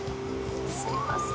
すいません。